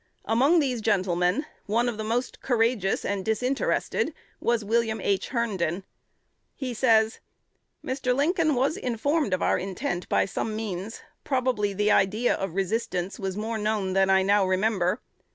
Among these gentlemen, and one of the most courageous and disinterested, was William H. Herndon. He says, "Mr. Lincoln was informed of our intents by some means. Probably the idea of resistance was more known than I now remember.